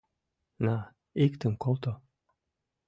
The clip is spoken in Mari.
На, иктым колто.